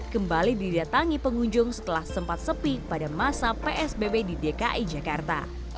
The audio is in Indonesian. kembali didatangi pengunjung setelah sempat sepi pada masa psbb di dki jakarta